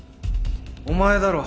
お前だろ？